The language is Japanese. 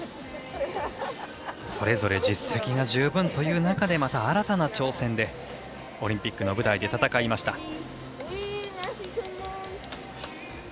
それぞれ実績が十分という中でまた新たな挑戦でオリンピックの舞台で戦いました。